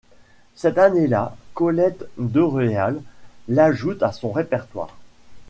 Cette année-là, Colette Deréal l’ajoute à son répertoire.